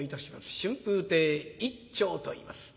春風亭一朝といいます。